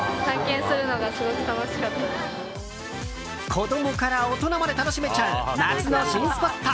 子供から大人まで楽しめちゃう夏の新スポット。